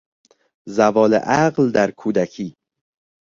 زوال عقل در کودکی